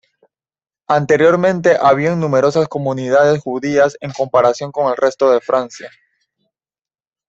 Anteriormente había numerosas comunidades judías en comparación con el resto de Francia.